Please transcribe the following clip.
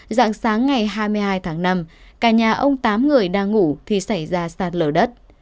dạng sáng ngày hai mươi hai tháng năm cả nhà ông tám người đang ngủ thì xảy ra sạt lở đất